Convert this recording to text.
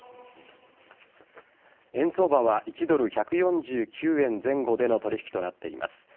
円相場は１ドル１４９円前後での取引となっています。